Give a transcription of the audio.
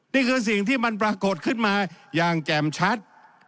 นี่คือสิ่งที่มันปรากฏขึ้นมาอย่างแจ่มชัด